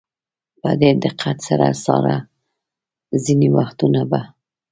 په ډېر دقت سره څاره، ځینې وختونه به.